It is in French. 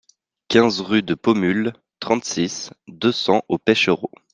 quinze rue de Paumule, trente-six, deux cents au Pêchereau